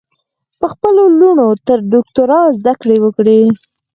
په خپلو لوڼو تر دوکترا ذدکړي وکړئ